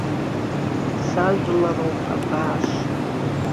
Сажәлароуп абааш.